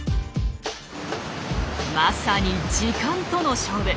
まさに時間との勝負。